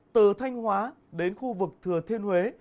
từ thanh hóa đến khu vực thừa thiên huế